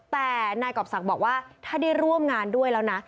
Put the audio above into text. แต่นายกรอบศักดิ์บอกว่าถ้าได้ร่วมงานด้วยแล้วนะ